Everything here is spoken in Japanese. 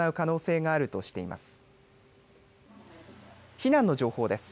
避難の情報です。